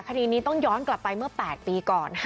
คดีนี้ต้องย้อนกลับไปเมื่อ๘ปีก่อน